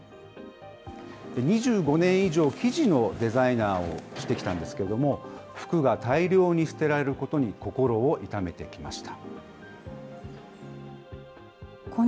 ２５年以上、生地のデザイナーをしてきたんですけれども、服が大量に捨てられることに心を痛めてきました。